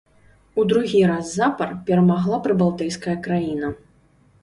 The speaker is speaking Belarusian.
У другі раз запар перамагла прыбалтыйская краіна.